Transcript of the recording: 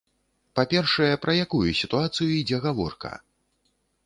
Па-першае, пра якую сітуацыю ідзе гаворка?